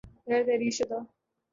غیر تحریر شدہ